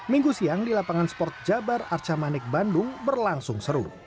minggu siang di lapangan sport jabar arca manik bandung berlangsung seru